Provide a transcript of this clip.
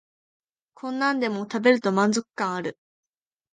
こんなんでも食べると満足感ある